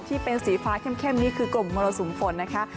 ที่เป็นสีฟ้าเข้มนี่คือกลุ่มมรสุมฝนนะคะ